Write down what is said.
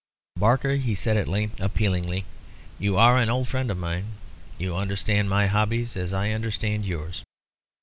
"Barker," he said at length, appealingly, "you are an old friend of mine you understand my hobbies as I understand yours.